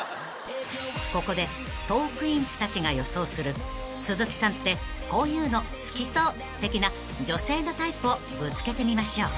［ここでトークィーンズたちが予想する鈴木さんってこういうの好きそう的な女性のタイプをぶつけてみましょう］